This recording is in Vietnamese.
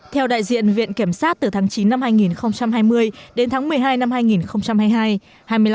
theo đại diện viện kiểm sát từ tháng chín năm hai nghìn hai mươi đến tháng một mươi hai năm hai nghìn hai mươi hai